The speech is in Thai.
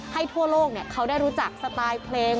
ทั่วโลกเขาได้รู้จักสไตล์เพลง